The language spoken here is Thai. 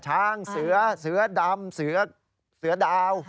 ช้างเสือดำเสือดาว